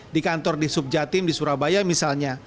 di kantor di subjatim di surabaya misalnya